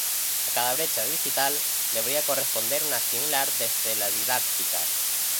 A cada brecha digital debería corresponder una similar desde la didáctica.